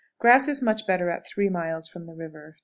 Grass is much better at three miles from the river.